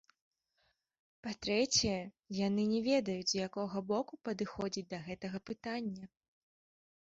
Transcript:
Па-трэцяе, яны не ведаюць з якога боку падыходзіць да гэтага пытання.